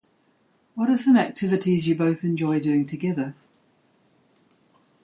What are some activities you both enjoy doing together?